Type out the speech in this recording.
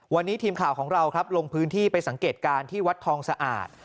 วันนี้ทีมข่าวของเราครับลงพื้นที่ไปสังเกตการณ์ที่วัดทองสะอาด